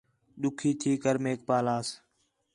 ݙُکّھی تھی کر میک پالاس